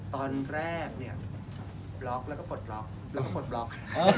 ตอนแรกเนี่ยบล็อกแล้วก็ปลดล็อกแล้วก็ปลดบล็อก